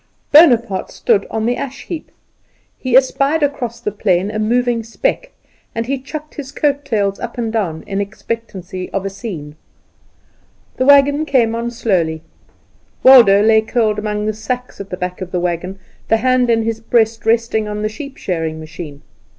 Bonaparte stood on the ash heap. He espied across the plain a moving speck and he chucked his coat tails up and down in expectancy of a scene. The wagon came on slowly. Waldo laid curled among the sacks at the back of the wagon, the hand in his breast resting on the sheep shearing machine.